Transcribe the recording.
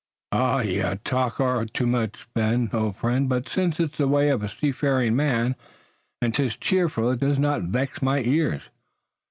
"You talk o'er much, Ben, old friend, but since it's the way of seafaring men and 'tis cheerful it does not vex my ears.